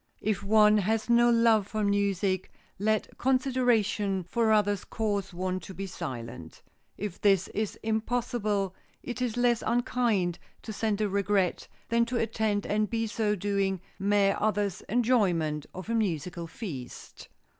If one has no love for music, let consideration for others cause one to be silent. If this is impossible, it is less unkind to send a regret than to attend and by so doing mar others' enjoyment of a musical feast.